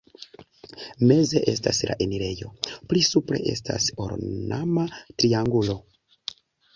Meze estas la enirejo, pli supre estas ornama triangulo.